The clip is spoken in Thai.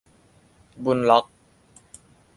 บุลล็อก